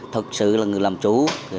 thật sự là người làm chủ